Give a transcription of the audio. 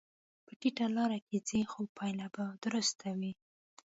په ټیټه لار کې ځې، خو پایله به درسته وي.